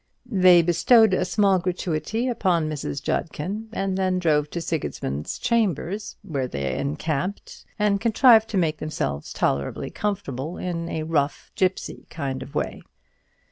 They bestowed a small gratuity upon Mrs. Judkin, and then drove to Sigismund's chambers, where they encamped, and contrived to make themselves tolerably comfortable, in a rough gipsy kind of way.